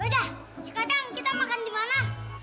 yaudah sekarang kita makan di mana